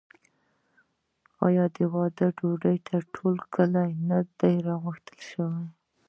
آیا د واده ډوډۍ ته ټول کلی نه راغوښتل کیږي؟